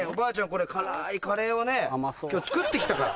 これ辛いカレーを作ってきたから。